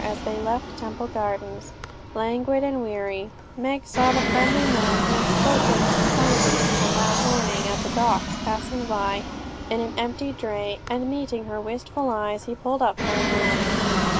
As they left Temple Gardens, languid and weary, Meg saw the friendly man who had spoken kindly to them that morning at the docks passing by in an empty dray, and meeting her wistful eyes, he pulled up for a minute.